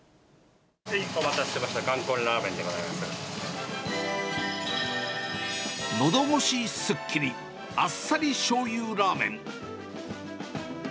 お待たせしました、ガンコンのどごしすっきり、あっさりしょうゆラーメン。